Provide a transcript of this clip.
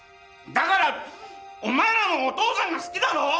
だからお前らもお父さんが好きだろ！？